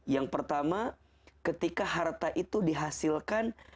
yang pertama ketika harta itu dihasilkan